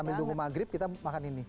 sambil nunggu maghrib kita makan ini